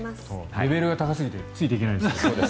レベルが高すぎてついていけないです。